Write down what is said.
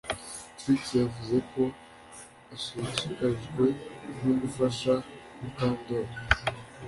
Trix yavuze ko ashishikajwe no gufasha Mukandoli